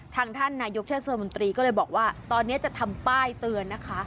ท่านนายกเทศมนตรีก็เลยบอกว่าตอนนี้จะทำป้ายเตือนนะคะ